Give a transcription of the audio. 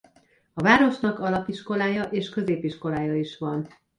A városnak alapiskolája és középiskolája is van.